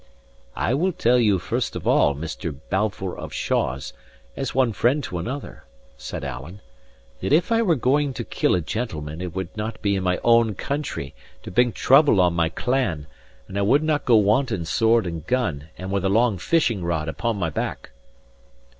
"I will tell you first of all, Mr. Balfour of Shaws, as one friend to another," said Alan, "that if I were going to kill a gentleman, it would not be in my own country, to bring trouble on my clan; and I would not go wanting sword and gun, and with a long fishing rod upon my back."